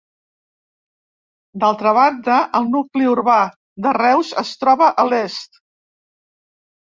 D'altra banda, el nucli urbà de Reus es troba a l'est.